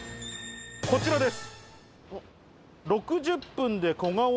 こちらです。